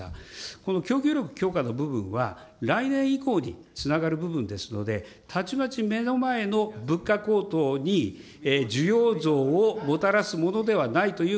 この供給力強化の部分は、来年以降につながる部分ですので、たちまち目の前の物価高騰に需要増をもたらすものではないという